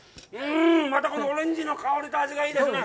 またこのオレンジの香りと味がいいですね。